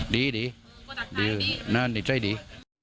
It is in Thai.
ดีนั่งในใจดี